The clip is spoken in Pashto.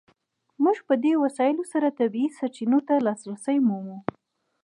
موږ په دې وسایلو سره طبیعي سرچینو ته لاسرسی مومو.